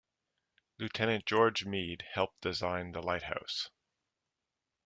Lieutenant George Meade helped design the lighthouse.